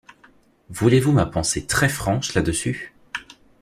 Voulez-vous ma pensée très franche là-dessus?